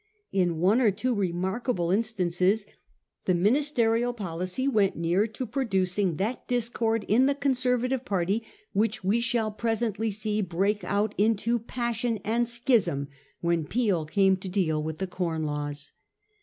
In one or two remarkable instances the ministerial policy went near to producing that discord in the Conservative party which we shall presently see break out into passion and schism when Peel came to deal with the Com Laws.